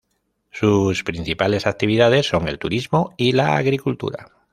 Sus principales actividades son el turismo y la agricultura.